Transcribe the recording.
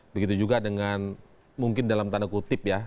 begitu juga dengan mungkin dalam tanda kutip ya